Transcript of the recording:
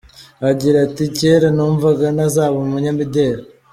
Agira ati “Kera numvaga ntazaba umunyamideri.